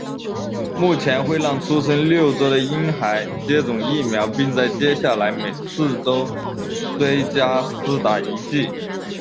目前会让出生六周的婴孩接种疫苗并在接下来每四周追加施打一剂。